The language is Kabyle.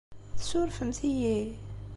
Tsurfemt-iyi?